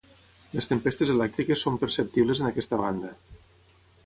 Les tempestes elèctriques són perceptibles en aquesta banda.